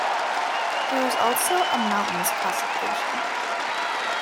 There was also a mountains classification.